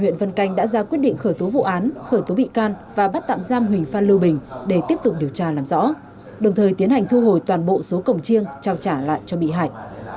huỳnh phan lưu bình đã ra quyết định khởi tố vụ án khởi tố bị can và bắt tạm giam huỳnh phan lưu bình để tiếp tục điều tra làm rõ đồng thời tiến hành thu hồi toàn bộ số cổng chiêng trao trả lại cho bị hại